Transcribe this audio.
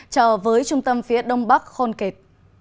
trở với trung tâm phía đông bắc khon khet